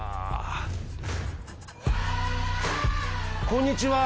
こんにちは。